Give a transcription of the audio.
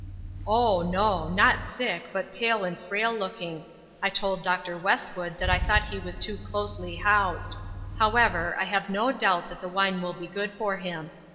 " O, no ! not sick, but pale and frail looking. I told Dr. Westwood that I thought he was too closely housed ; however, I have no doubt that the wine will be good for him.